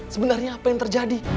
sebenarnya apa yang terjadi